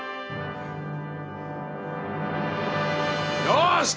よし！